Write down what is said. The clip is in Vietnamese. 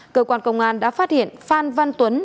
cơ quan công an đã phát hiện phan văn tuấn